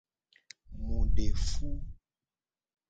Mu du fe.